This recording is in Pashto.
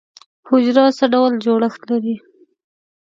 حجره څه ډول جوړښت لري؟